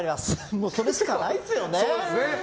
もう、それしかないですよね。